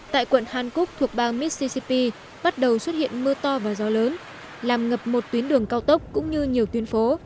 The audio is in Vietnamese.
tại quận hàn quốc thuộc bang mississippi bắt đầu xuất hiện mưa to và gió lớn làm ngập một tuyến đường cao tốc cũng như nhiều tuyến phố